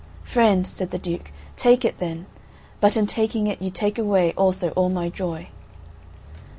"Friend," said the Duke, "take it, then, but in taking it you take away also all my joy."